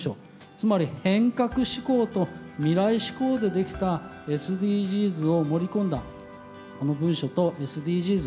つまり変革志向と未来志向で出来たＳＤＧｓを盛り込んだこの文書とＳＤＧｓ。